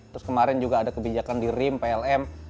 terus kemarin juga ada kebijakan di rim plm